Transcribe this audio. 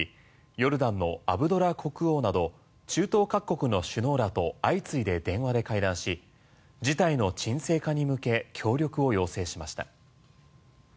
ヨルダンのアブドラ国王など中東各国の首脳らと相次いで電話で会談し事態の鎮静化に向け協力を要請しました。